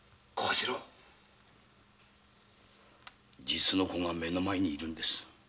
実の子が目の前にいるんです。